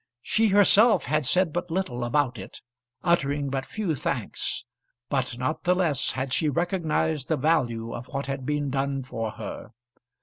She herself had said but little about it, uttering but few thanks; but not the less had she recognised the value of what had been done for her.